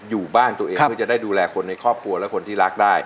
อยู่บ้านตัวเองเพื่อจะได้ดูแลคนในครอบครัวและคนที่รักได้